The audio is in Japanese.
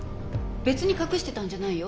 別に隠してたんじゃないよ。